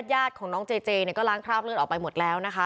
ญาติของน้องเจเจเนี่ยก็ล้างคราบเลือดออกไปหมดแล้วนะคะ